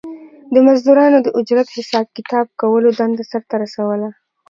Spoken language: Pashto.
د مزدورانو د اجرت حساب کتاب کولو دنده سر ته رسوله